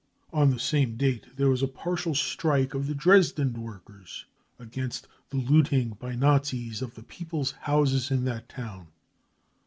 On the same date there was a partial strike of the Dresden workers against the looting by Nazis of the People's House in that town.